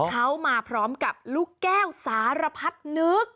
เขามาพร้อมกับลูกแก้วสารพัดนึก